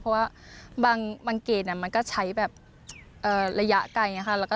เพราะว่าบางเกรดมันก็ใช้ระยะไกล